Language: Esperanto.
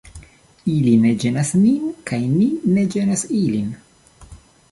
Ili ne ĝenas nin, kaj ni ne ĝenas ilin.